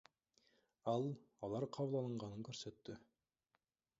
Ал алар кабыл алынганын көрсөттү.